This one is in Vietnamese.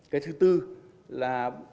cái thứ tư là